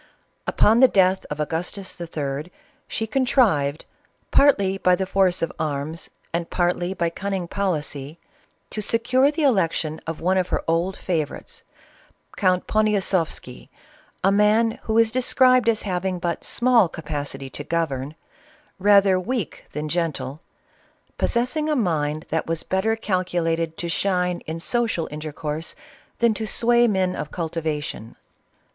Upon the death of Agustus*III. she contrived, partly by the force of arms and partly by cunning policy, to secure the election of one of her old favorites, Count Ponia sofsky, a man who is described as having but small ca pacity to govern, rather weak than gentle, possessing a mind that was better calculated to shine in social intercourse than to sway men of cultivation.